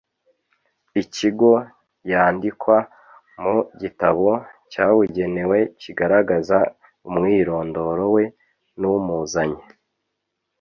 ikigo yandikwa mu gitabo cyabugenewe kigaragaza umwirondoro we n’ umuzanye